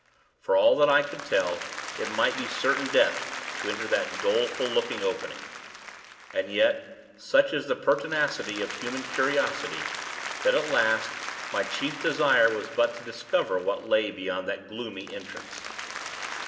For all that I could tell, it might be certain death, to enter that doleful looking opening. And yet, such is the pertinacity of human curiosity, that, at last, my chief desire was but to discover what lay beyond that gloomy entrance.